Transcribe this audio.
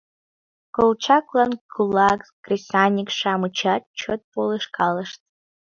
Колчаклан кулак кресаньык-шамычат чот полышкалышт.